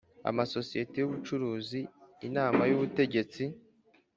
amasosiyete y ubucuruzi Inama y Ubutegetsi